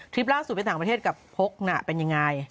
ทริปล่าสสุดไปสถานประเทศกับโภคนะเป็นยังไง